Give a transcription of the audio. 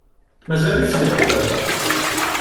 Mazal-itt deg uɣerbaz.